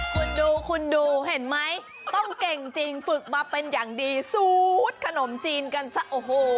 คุณดูคุณดูเห็นไหมต้องเก่งจริงฝึกมาเป็นอย่างดีซูดขนมจีนกันซะโอ้โห